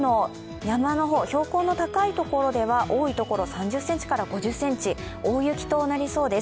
特に北部の標高の高いところでは、多い所、３０ｃｍから５０ｃｍ、大雪となりそうです。